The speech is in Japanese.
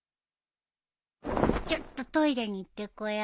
ちょっとトイレに行ってこよう。